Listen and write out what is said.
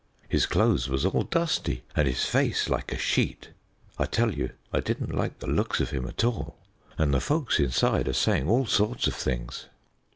His clothes was all dusty and his face like a sheet. I tell you I didn't like the looks of him at all, and the folks inside are saying all sorts of things.